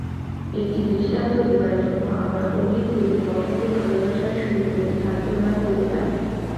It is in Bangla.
একটি দৃষ্টান্ত দিবার জন্য আমরা অগ্নির প্রতি পতঙ্গের ভালবাসার সহিত ইহার তুলনা করিতে পারি।